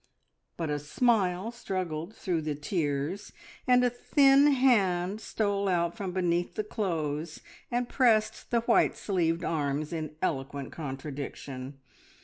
But a smile struggled through the tears, and a thin hand stole out from beneath the clothes and pressed the white sleeved arms in eloquent contradiction.